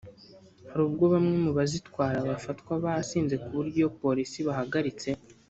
Hari ubwo bamwe mu bazitwara bafatwa basinze ku buryo iyo polisi ibahagaritse